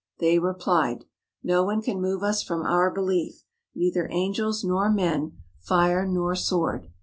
They replied: "No one can move us from our belief, neither angels nor men, fire nor sword.